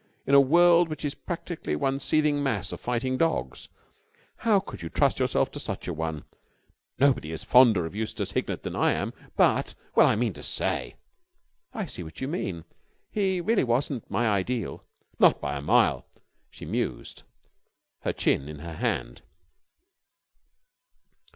In a world which is practically one seething mass of fighting dogs, how could you trust yourself to such a one? Nobody is fonder of Eustace Hignett than I am, but ... well, I mean to say!" "I see what you mean. He really wasn't my ideal." "Not by a mile." She mused, her chin in her hand.